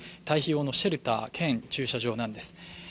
退避用のシェルター兼駐車場なんです。